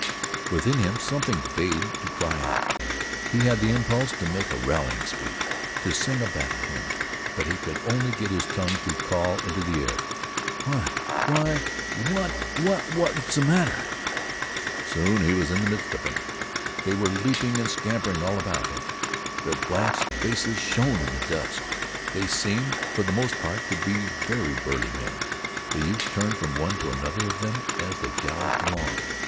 Within him something bade to cry out. He had the impulse to make a rallying speech, to sing a battle hymn, but he could only get his tongue to call into the air: "Why why what what 's th' matter?" Soon he was in the midst of them. They were leaping and scampering all about him. Their blanched faces shone in the dusk. They seemed, for the most part, to be very burly men. The youth turned from one to another of them as they galloped along.